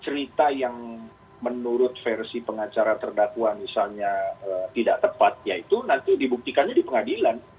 cerita yang menurut versi pengacara terdakwa misalnya tidak tepat ya itu nanti dibuktikannya di pengadilan